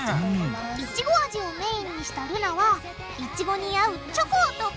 いちご味をメインにしたルナはいちごに合うチョコをトッピング。